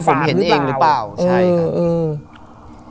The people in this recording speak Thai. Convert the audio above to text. หรือแม่ผมเห็นเองหรือเปล่าใช่ครับ